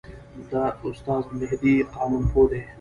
دا استاد مهدي قانونپوه دی.